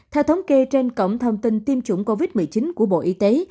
theo thống kê trên cổng thông tin tiêm chủng covid một mươi chín của bộ y tế